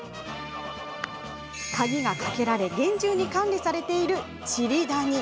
鍵がかけられ厳重に管理されているチリダニ